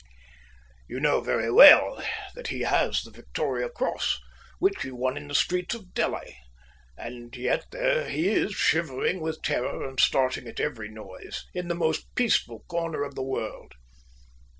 "You know that he has the Victoria Cross, which he won in the streets of Delhi, and yet here he is shivering with terror and starting at every noise, in the most peaceful corner of the world.